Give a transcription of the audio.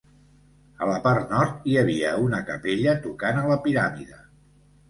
A la part nord, hi havia una capella tocant a la piràmide.